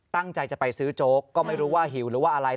ตั้งใจจะไปซื้อโจ๊กก็ไม่รู้ว่าหิวหรือว่าอะไร